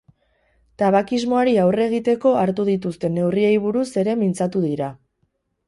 Tabakismoari aurre egiteko hartu dituzten neurriei buruz ere mintzatu dira.